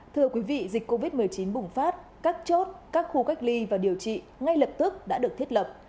thưa quý vị dịch covid một mươi chín bùng phát các chốt các khu cách ly và điều trị ngay lập tức đã được thiết lập